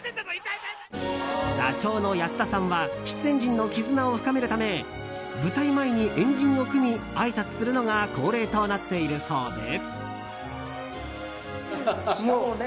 座長の安田さんは出演陣の絆を深めるため舞台前に円陣を組みあいさつするのが恒例となっているそうで。